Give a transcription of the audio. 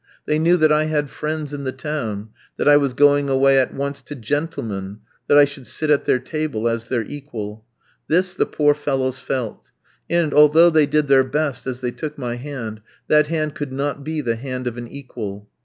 They knew that I had friends in the town, that I was going away at once to gentlemen, that I should sit at their table as their equal. This the poor fellows felt; and, although they did their best as they took my hand, that hand could not be the hand of an equal.